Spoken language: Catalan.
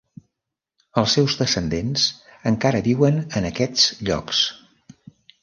Els seus descendents encara viuen en aquests llocs.